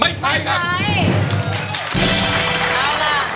ไม่ใช้ค่ะ